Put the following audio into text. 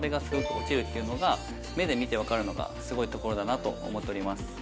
すごく落ちるっていうのが目で見て分かるのがすごいところだなと思っております